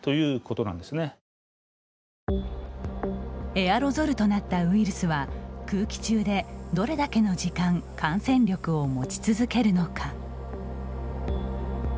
エアロゾルとなったウイルスは空気中でどれだけの時間感染力を持ち続けるのか。